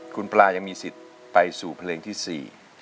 คุณปลายังมีสิทธิ์ไปสู่เพลงที่๔